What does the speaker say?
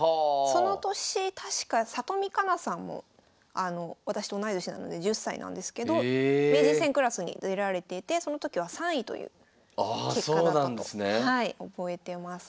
その年確か里見香奈さんも私と同い年なので１０歳なんですけど名人戦クラスに出られていてその時は３位という結果だったと覚えてます。